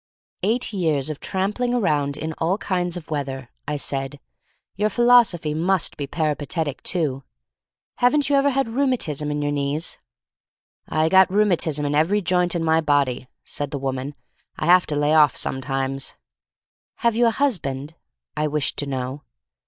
"Eight years of tramping around in all kinds of weather," I said. "Your philosophy must be peripatetic, too. Haven't you ever had rheumatism in your knees?" "I got rheumatism in every joint in my body," said the woman. "I have to lay off, sometime." "Have you a husband?" I wished to know.